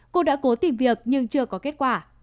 cô đã cố tìm việc nhưng chưa có kết quả